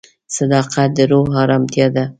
صداقت د روح ارامتیا ده.